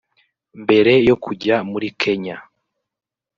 Mbere yo kujya muri Kenya